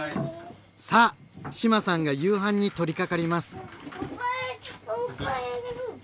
さあ志麻さんが夕飯に取りかかります。